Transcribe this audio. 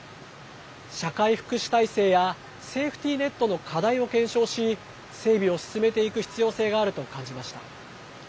社会福祉体制やセーフティーネットの課題を検証し整備を進めていく必要性があると感じました。